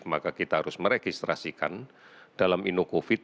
maka kita harus meregistrasikan dalam inu covid sembilan belas